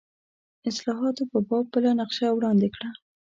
اصلاحاتو په باب بله نقشه وړاندې کړه.